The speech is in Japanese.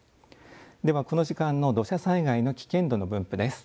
ではこの時間の土砂災害の危険度の分布です。